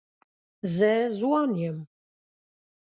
زه ځوان یم.